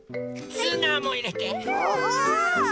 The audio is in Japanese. ツナもいれて。